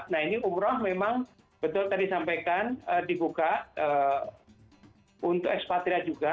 nah ini umrah memang betul tadi sampaikan dibuka untuk ekspatria juga